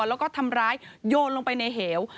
แล้วก็ทำร้ายโยนลงไปในเหว